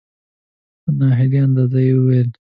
په نا هیلي انداز یې وویل .